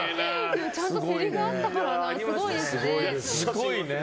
ちゃんとせりふあったからすごいですね。